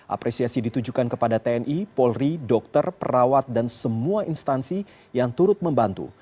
apresiasi ditujukan kepada tni polri dokter perawat dan semua instansi yang turut membantu